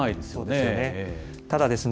そうですね。